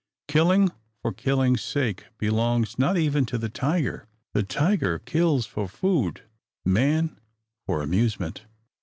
Killing for killing's sake belongs not even to the tiger. The tiger kills for food; man, for amusement.